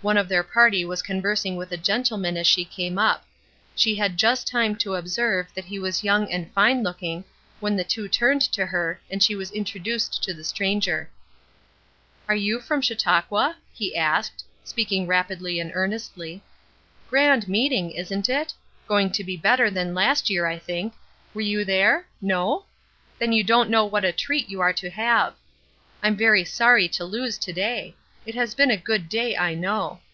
One of their party was conversing with a gentleman as she came up. She had just time to observe that he was young and fine looking, when the two turned to her, and she was introduced to the stranger. "You are from Chautauqua?" he said, speaking rapidly and earnestly. "Grand meeting, isn't it? Going to be better than last year, I think. Were you there? No? Then you don't know what a treat you are to have. I'm very sorry to lose to day. It has been a good day, I know.